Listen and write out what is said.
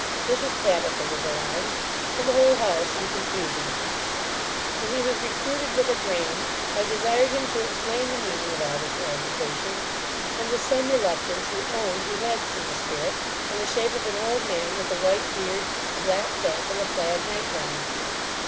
Mrs Tabitha was alarmed, and the whole house in confusion. When he was recruited with a dram, I desired him to explain the meaning of all this agitation; and, with some reluctance, he owned he had seen a spirit, in the shape of an old man with a white beard, a black cap, and a plaid night gown.